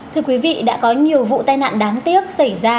thưa quý vị đã có nhiều vụ tai nạn đáng tiếc xảy ra